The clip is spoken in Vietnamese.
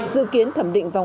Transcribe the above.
dự kiến thẩm định vòng hai